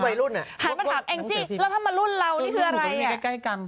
ปัญหามาถามแล้วถ้ามารุ่นเรามันอะไร